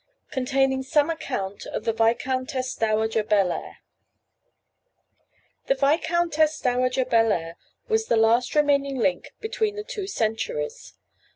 Containing Some Account of the Viscountess Dowager Bellair. THE Viscountess Dowager Bellair was the last remaining link between the two centuries.